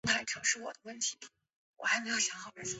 基南有一个双胞胎姊妹。